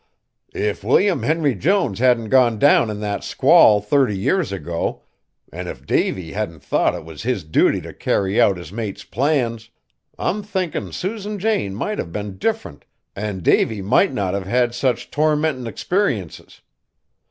"If William Henry Jones hadn't gone down in that squall thirty years ago, an' if Davy hadn't thought it was his duty t' carry out his mate's plans, I'm thinkin' Susan Jane might have been different an' Davy might not have had sich tormentin' experiences.